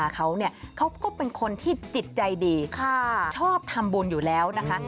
เขาก็เป็นคนที่จิตใจดีชอบทำบุญอยู่แล้วนะคะ